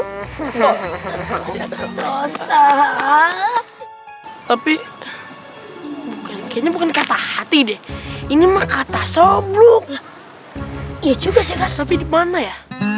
tapi ini bukan kata hati deh ini mah kata soblok iya juga sih tapi dimana ya